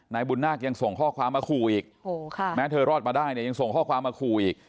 บุญนาคยังส่งข้อความมาขู่อีกแม้เธอรอดมาได้เนี่ยยังส่งข้อความมาขู่อีก